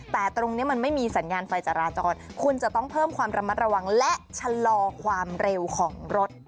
แต่ตรงนี้มันไม่มีสัญญาณไฟจราจรคุณจะต้องเพิ่มความระมัดระวังและชะลอความเร็วของรถ